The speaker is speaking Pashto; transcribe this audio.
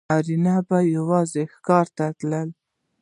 نارینه به یوازې ښکار ته تلل.